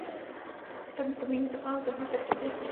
تنور د مینې، دعا او زحمت ترکیب دی